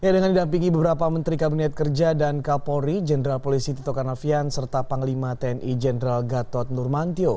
dengan didampingi beberapa menteri kabinet kerja dan kapolri jenderal polisi tito karnavian serta panglima tni jenderal gatot nurmantio